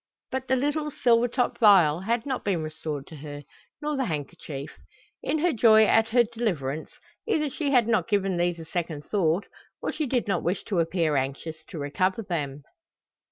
But the little silver topped vial had not been restored to her, nor the handkerchief. In her joy at her deliverance, either she had not given these a second thought, or she did not wish to appear anxious to recover them.